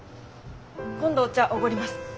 今度お茶おごります。